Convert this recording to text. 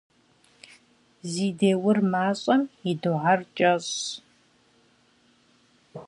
Zi dêur maş'em yi duher ç'eş'ş.